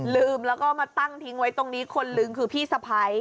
ลืมแล้วก็มาตั้งทิ้งไว้ตรงนี้คนลืมคือพี่สะพ้าย